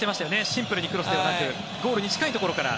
シンプルにクロスではなくてゴールに近いところから。